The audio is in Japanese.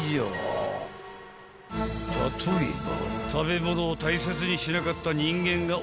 ［例えば］